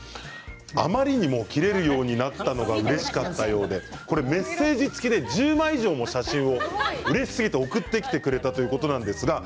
あまりにも切れるようになったのが、うれしかったのでメッセージ付きで１０枚以上の写真を送ってきてくださいました。